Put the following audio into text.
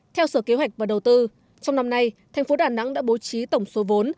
theo sở kế hoạch và đầu tư trong năm nay thành phố đà nẵng đã bố trí tổng số vốn